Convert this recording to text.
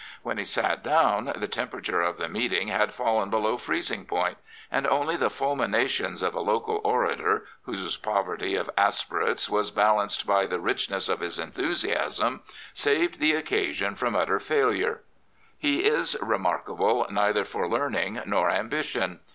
When he sat down the temperature of the meeting had fallen below freezing point, and only the fuhninations of a local orator, whose poverty of aspirates was balanced by the richness of his enthusiasm, saved the occasion from utter failure. He is remarkable neither for learning nor ambition.